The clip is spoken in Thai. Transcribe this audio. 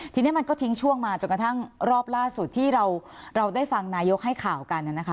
ทีนี้มันก็ทิ้งช่วงมาจนกระทั่งรอบล่าสุดที่เราได้ฟังนายกให้ข่าวกันนะคะ